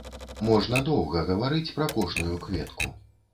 Можна доўга гаварыць пра кожную кветку.